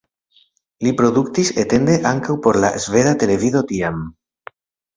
Li produktis etende ankaŭ por la sveda televido tiam.